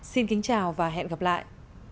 xin kính chào và hẹn gặp lại